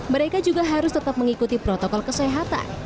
mereka juga harus tetap mengikuti protokol kesehatan